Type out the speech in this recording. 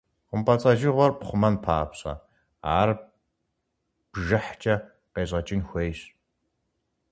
ХъумпӀэцӀэджыгъуэр пхъумэн папщӀэ, ар бжыхькӀэ къещӀэкӀын хуейщ.